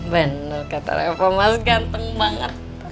bener kata reva mas ganteng banget